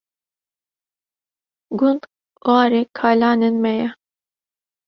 Gund warê kalanên me ye.